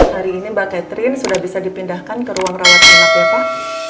hari ini mbak catherine sudah bisa dipindahkan ke ruang rawat anak ya pak